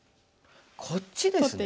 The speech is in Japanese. こっちですか。